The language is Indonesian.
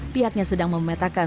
pihaknya sedang memetakan